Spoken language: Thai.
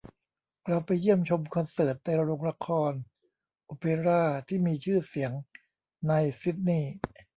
เราไปเยี่ยมชมคอนเสิร์ตในโรงละครโอเปร่าที่มีชื่อเสียงในซิดนีย์